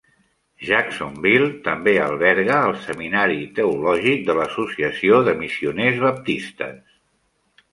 Jacksonville també alberga el seminari teològic de l'Associació de Missioners Baptistes.